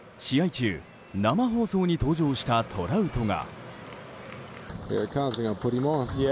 中生放送に登場したトラウトが。